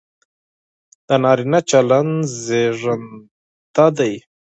د نارينه چلن زېږنده دى،